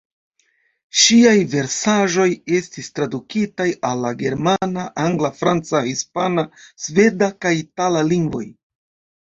Ŝiaj versaĵoj estis tradukitaj al la germana, angla, franca, hispana, sveda kaj itala lingvoj.